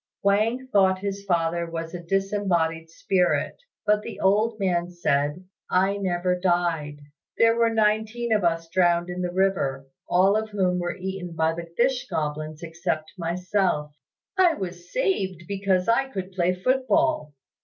Wang thought his father was a disembodied spirit, but the old man said, "I never died. There were nineteen of us drowned in the river, all of whom were eaten by the fish goblins except myself: I was saved because I could play foot ball.